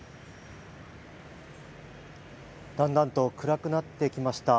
だんだんと暗くなってきました。